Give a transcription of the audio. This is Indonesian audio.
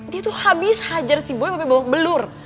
dia itu habis hajar si boy papi bawa belur